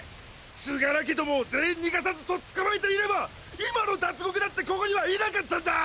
死柄木どもを全員逃がさずとっ捕まえていれば今のダツゴクだってここにはいなかったんだ！